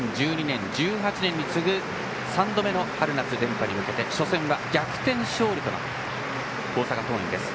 ２０１２年、１８年に次ぐ３度目の春夏連覇に向けて初戦は逆転勝利となった大阪桐蔭です。